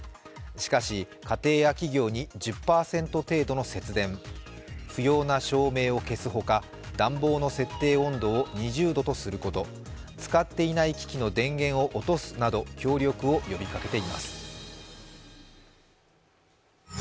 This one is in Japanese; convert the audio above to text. しかし、家庭や企業に１０％程度の節電、不要な照明を消すほか暖房の設定温度を２０度とすること使っていない機器の電源を落とすなど協力を呼びかけています。